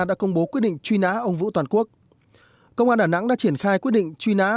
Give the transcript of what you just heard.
đã công bố quyết định truy nã ông vũ toàn quốc công an đà nẵng đã triển khai quyết định truy nã